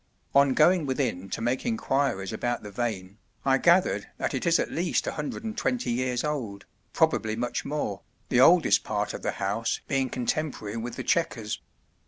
On going within to make inquiries about the vane, I gathered that it is at least 120 years old, probably much more, the oldest part of the house being contemporary with the "Chequers."